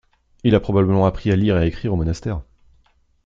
Il a probablement appris à lire et écrire au monastère.